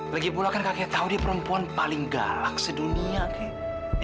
lagipula kan kakek tahu dia perempuan paling galak sedunia keh